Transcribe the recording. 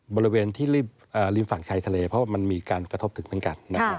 บริเวณที่ริมฝั่งชายทะเลเพราะมันมีการกระทบถึงเป็นกัน